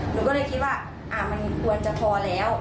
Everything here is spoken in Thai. หนูก็เลยคิดว่ามันควรจะพอแล้ว